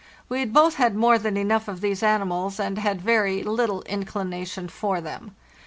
We had both had more than enough of these animals, and had very little inclination for them.